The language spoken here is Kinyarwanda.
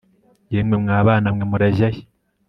yemwe mwa bana mwe murajya he